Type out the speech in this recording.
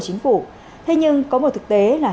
chính phủ thế nhưng có một thực tế là